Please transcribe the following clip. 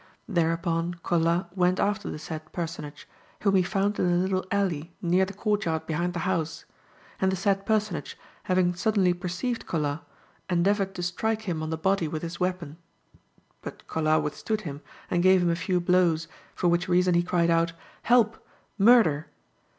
Thereupon Colas went after the said personage, whom he found in a little alley near the courtyard behind the house; and the said personage, having suddenly perceived Colas, endeavoured to strike him on the body with his weapon; but Colas withstood him and gave him a few blows,(5) for which reason he cried out 'Help! Murder!